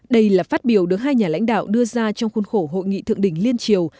đây là phát biểu được hai nhà lãnh đạo đưa ra trong khuôn khổ hội nghị thượng đỉnh liên triều